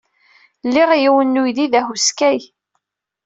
Liɣ yiwen n uydi d ahuskay.